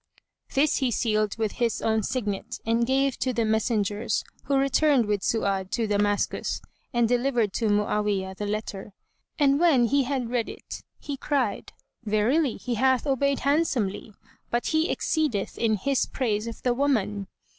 This he sealed with his own signet and gave to the messengers who returned with Su'ad to Damascus and delivered to Mu'awiyah the letter, and when he had read it he cried, "Verily, he hath obeyed handsomely, but he exceedeth in his praise of the woman."